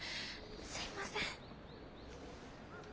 すいません。